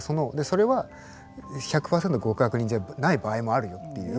それは１００％極悪人じゃない場合もあるよっていう。